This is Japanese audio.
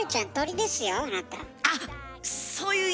あっそういう意味？